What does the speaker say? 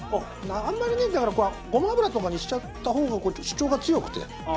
あんまりねだからごま油とかにしちゃった方が主張が強くて。